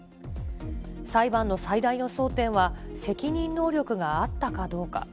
裁判の最大の争点は、責任能力があったかどうか。